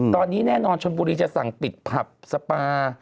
ตอนนี้แน่นอนชนบุรีจะสั่งปิดผับสปา